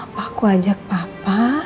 pak aku ajak papa